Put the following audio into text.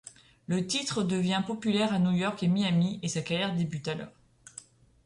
Le titre devient populaire à New York et Miami et sa carrière débute alors.